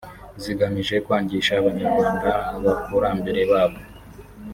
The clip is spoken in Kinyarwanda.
zigamije kwangisha Abanyarwanda abakurambere babo